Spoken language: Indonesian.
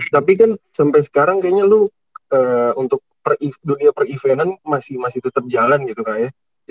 tapi kan sampe sekarang kayaknya lu untuk dunia per evenan masih tetep jalan gitu kak ya